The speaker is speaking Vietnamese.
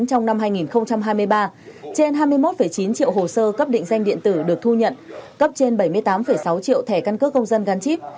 trong năm hai nghìn hai mươi ba trên hai mươi một chín triệu hồ sơ cấp định danh điện tử được thu nhận cấp trên bảy mươi tám sáu triệu thẻ căn cước công dân gắn chip